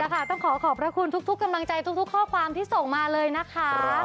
ต้องขอขอบพระคุณทุกกำลังใจทุกข้อความที่ส่งมาเลยนะคะ